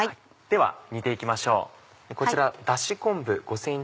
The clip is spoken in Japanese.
では煮て行きましょう。